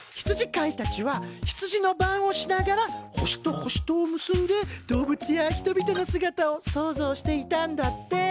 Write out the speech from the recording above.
羊飼いたちは羊の番をしながら星と星とを結んで動物や人々の姿を想像していたんだって。